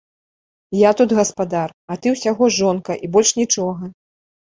Я тут гаспадар, а ты ўсяго жонка і больш нічога!